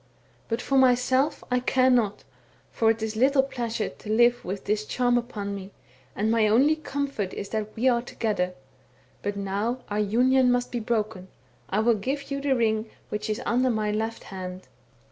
But for myself I care not, for it is little pleasure to live .» with this charm upon me, and my only comfort is that we are together ; but now our union must be broken. I will give you the ring which is under my left hand.